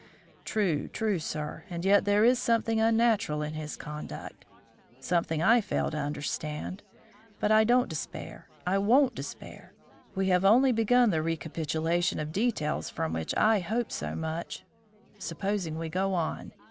"True, true, sir; and yet there is something unnatural in his conduct, something I fail to understand. But I don't despair. I won't despair; we have only begun the recapitulation of details from which I hope so much; supposing we go on."